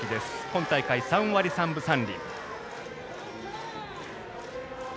今大会３割３分３厘。